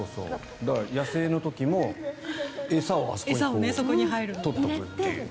野生の時も餌をあそこに取っておくという。